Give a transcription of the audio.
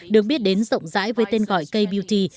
được biết đến rộng rãi với tên gọi k beauty